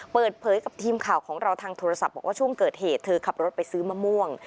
เปิดเผยกับทีมข่าวของเราทางโทรศัพท์บอกว่าช่วงเกิดเหตุเธอขับรถไปซื้อมะม่วง